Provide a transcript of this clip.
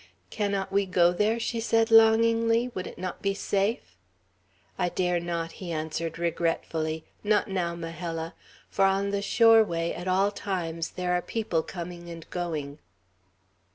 "Cannot we go there?" she said longingly. "Would it not be safe?" "I dare not," he answered regretfully. "Not now, Majella; for on the shore way, at all times, there are people going and coming."